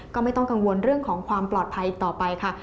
ก็ไม่ต้องกังวลเรื่องของความปลอดภัยต่อไปค่ะ